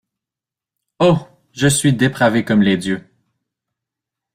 Oh! je suis dépravée comme les dieux.